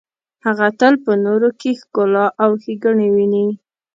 هغه تل په نورو کې ښکلا او ښیګڼې ویني.